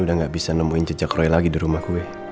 udah gak bisa nemuin jejak roy lagi di rumah gue